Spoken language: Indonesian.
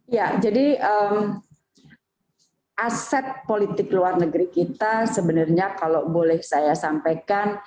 ya jadi aset politik luar negeri kita sebenarnya kalau boleh saya sampaikan